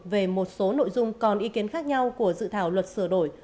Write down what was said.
về một số nội dung còn ý kiến khác nhau của dự thảo luật sửa đổi